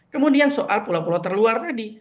kemudian soal pulau pulau terluar tadi